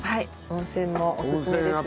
温泉もおすすめです。